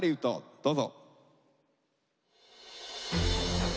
どうぞ。